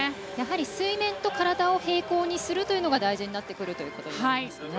水面と体を平行にするというのが大事になってくるということですね。